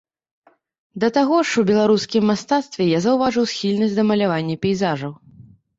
Да таго ж, у беларускім мастацтве я заўважыў схільнасць да малявання пейзажаў.